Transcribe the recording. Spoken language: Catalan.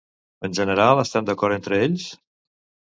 En general, estan d'acord entre ells?